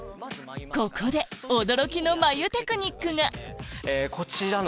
ここで驚きの眉テクニックがこちらの。